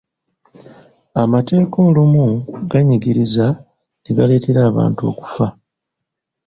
Amateeka olumu ganyigiriza ne galeetera abantu okufa.